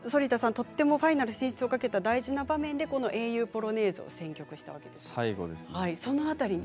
とてもファイナル進出を懸けた大切な場面で「英雄ポロネーズ」を選曲したわけですね。